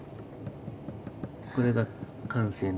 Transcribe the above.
これが完成の。